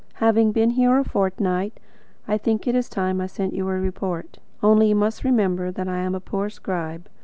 Having been here a fortnight, I think it is time I sent you a report. Only you must remember that I am a poor scribe.